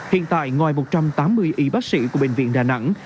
hiện tại ngoài một trăm tám mươi y bác sĩ của bệnh viện đà nẵng